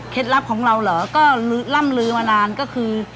ลับของเราเหรอก็ล่ำลือมานานก็คือ